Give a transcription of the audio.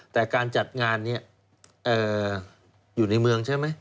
แต่การจัดงานนี้อยู่ในเมืองใช่ไหม